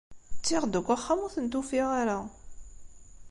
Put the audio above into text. Ttiɣ-d akk axxam, ur tent-ufiɣ ara.